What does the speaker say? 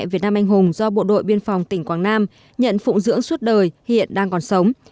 việt nam anh hùng do bộ đội biên phòng tỉnh quảng nam nhận phụng dưỡng suốt đời hiện đang còn sống